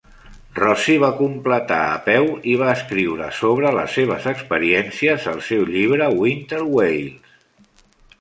Rosie va completar a peu i va escriure sobre les seves experiències al seu llibre "Winter Wales".